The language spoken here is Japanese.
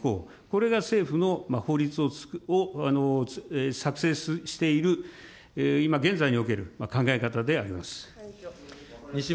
これが政府の法律を作成している、今現在における考え方であります。